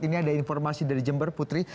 ini ada informasi dari jember putri